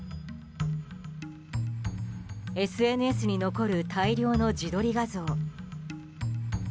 ＳＮＳに残る大量の自撮り画像。